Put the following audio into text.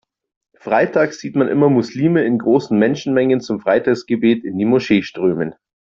Freitags sieht man immer Muslime in großen Menschenmengen zum Freitagsgebet in die Moschee strömen.